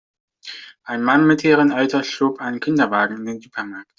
Ein Mann mittleren Alters schob einen Kinderwagen in den Supermarkt.